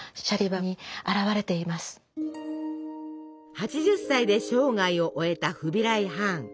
８０歳で生涯を終えたフビライ・ハーン。